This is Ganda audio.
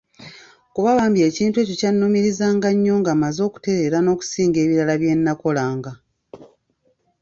Kuba bambi ekintu ekyo kyannumirizanga nnyo nga mmaze okutereera n'okusinga ebirala byennakolanga.